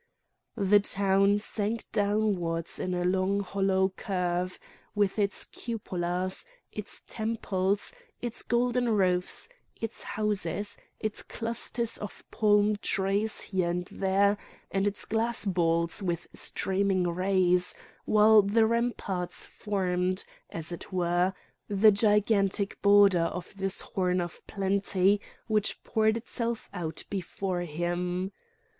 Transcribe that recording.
The town sank downwards in a long hollow curve, with its cupolas, its temples, its golden roofs, its houses, its clusters of palm trees here and there, and its glass balls with streaming rays, while the ramparts formed, as it were, the gigantic border of this horn of plenty which poured itself out before him.